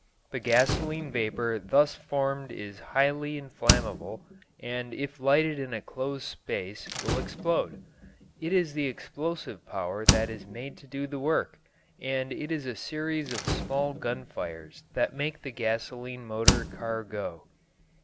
The gasoline vapour thus formed is highly inflammable, and if lighted in a closed space will explode. It is the explosive power that is made to do the work, and it is a series of small gun fires that make the gasoline motor car go.